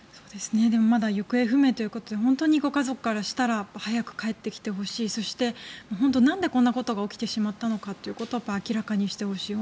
でもまだ行方不明ということで本当にご家族からしたら早く帰ってきてほしいそしてなんでこんなことが起きてしまったのかということを明らかにしてほしい。